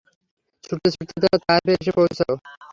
ছুটতে ছুটতে তারা তায়েফে এসে পৌঁছল।